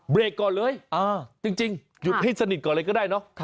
ก่อนเลยจริงหยุดให้สนิทก่อนเลยก็ได้เนอะ